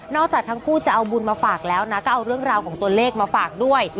จากทั้งคู่จะเอาบุญมาฝากแล้วนะก็เอาเรื่องราวของตัวเลขมาฝากด้วย